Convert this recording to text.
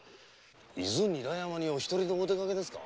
伊豆韮山にお一人でお出かけですか？